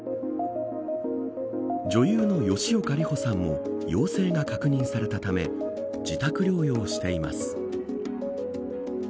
女優の吉岡里帆さんも陽性が確認されたため自宅療養しています。